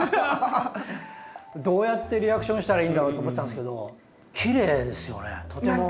どうやってリアクションしたらいいんだろうと思ってたんですけどきれいですよねとても。